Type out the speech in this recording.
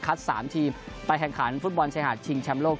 ๓ทีมไปแข่งขันฟุตบอลชายหาดชิงแชมป์โลก